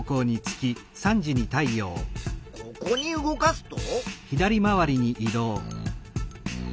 ここに動かすと？